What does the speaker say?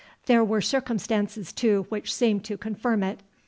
There were circumstances too which seemed to confirm it.